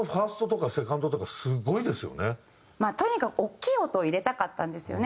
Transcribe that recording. でもとにかく大きい音を入れたかったんですよね